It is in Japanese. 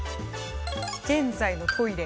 「現在」の「トイレ」。